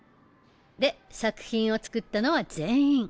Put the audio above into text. で作品を作ったのは全員。